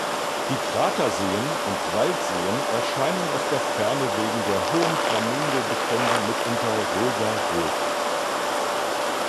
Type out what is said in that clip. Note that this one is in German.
Die Kraterseen und Salzseen erscheinen aus der Ferne wegen der hohen Flamingo-Bestände mitunter rosarot.